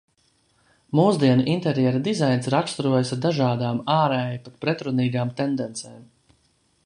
Mūsdienu interjera dizains raksturojas ar dažādām, ārēji pat pretrunīgām tendencēm.